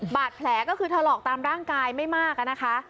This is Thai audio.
บาดแผลก็คือถลอกตามร่างกายไม่มากอะนะคะ